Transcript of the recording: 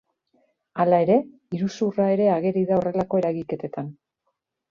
Hala ere, iruzurra ere ageri da horrelako eragiketetan.